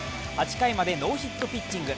８回までノーヒットピッチング。